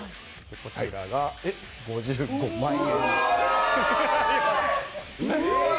こちらが５５万円。